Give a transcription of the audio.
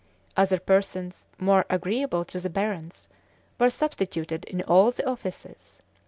Other persons, more agreeable to the barons, were substituted in all the offices.